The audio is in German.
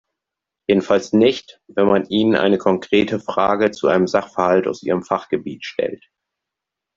Jedenfalls nicht, wenn man ihnen eine konkrete Frage zu einem Sachverhalt aus ihrem Fachgebiet stellt.